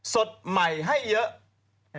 สดใหม่ให้เยอะ